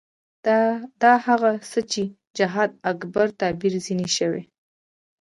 دا هغه څه دي چې جهاد اکبر تعبیر ځنې شوی.